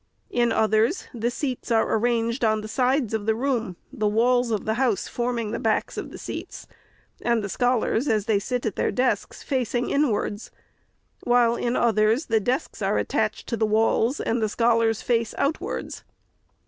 In others, the seats are arranged on the sides of the room, the walls of the house forming the backs of the seats, and the scholars, as they sit at the desks, facing inwards ; while in others, the desks are attached to the walls, and the scholars face outwards.